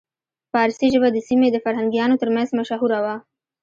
پارسي ژبه د سیمې د فرهنګیانو ترمنځ مشهوره وه